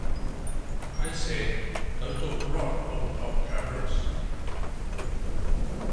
I said, 'Don't talk rot, old Tom Travers.'